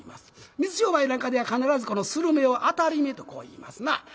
水商売なんかでは必ずこの「するめ」を「あたりめ」とこう言いますな。